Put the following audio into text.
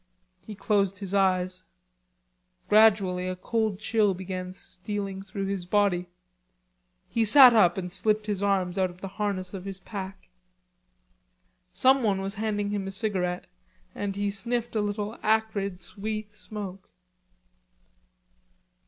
He closed his eyes. Gradually a cold chill began stealing through his body. He sat up and slipped his arms out of the harness of his pack. Someone was handing him a cigarette, and he sniffed a little acrid sweet smoke.